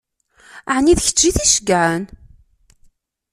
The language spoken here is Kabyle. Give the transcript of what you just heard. Ɛni d kečč i t-iɛeggcen?